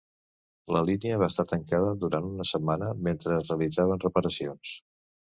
La línia va estar tancada durant una setmana mentre es realitzaven reparacions.